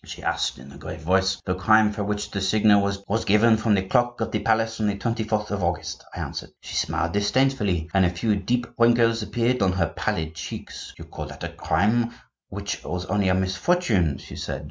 she asked in a grave voice. 'The crime for which the signal was given from the clock of the palace on the 24th of August,' I answered. She smiled disdainfully, and a few deep wrinkles appeared on her pallid cheeks. 'You call that a crime which was only a misfortune,' she said.